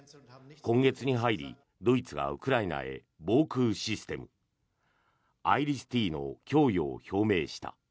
今月に入りドイツがウクライナへ防空システム、ＩＲＩＳ−Ｔの供与を表明した。